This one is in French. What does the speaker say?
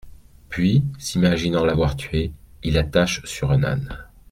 Puis, s'imaginant l'avoir tuée, ils l'attachent sur un âne.